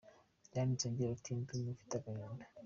Yanditse agira ati “Ndumva mfite agahinda.